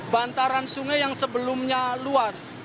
bantaran sungai yang sebelumnya luas